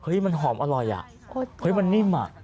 เฮ้ยมันหอมอร่อยมันนิ่ม